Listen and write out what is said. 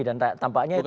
dan tampaknya itu